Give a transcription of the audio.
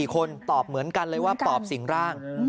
๔คนตอบเหมือนกันเลยว่าปอบสิ่งร่าง